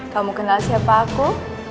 kamu kenal siapa aku